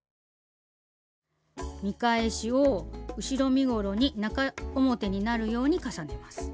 見返しを後ろ身ごろに中表になるように重ねます。